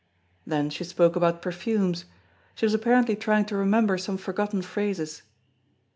Then she spoke about perfumes. She was apparently trying to remember some forgotten phrases.